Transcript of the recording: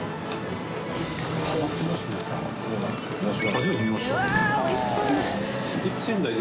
初めて見ました。